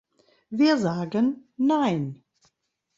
Wir sagen: Nein.